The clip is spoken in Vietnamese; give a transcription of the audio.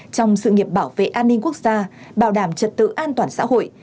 trong sự nghiệp bảo vệ an ninh quốc gia bảo đảm trật tự an toàn xã hội